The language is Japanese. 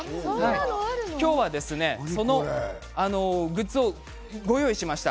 今日は、そのグッズをご用意しました。